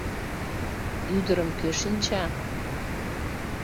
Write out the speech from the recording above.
Ӱдырым кӧ шинча?!